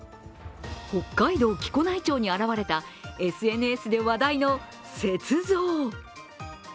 北海道木古内町に現れたＳＮＳで話題の雪像。